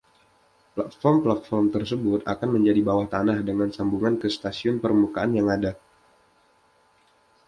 Platform-platform tersebut akan menjadi bawah tanah, dengan sambungan ke stasiun permukaan yang ada.